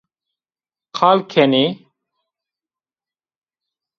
Qal kenî